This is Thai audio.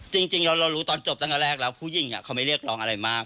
จริงเรารู้ตอนจบตั้งแต่แรกแล้วผู้หญิงเขาไม่เรียกร้องอะไรมาก